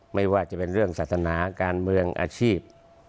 ไม่ว่าจะเป็นเรื่องศาสนาการเมืองอาชีพ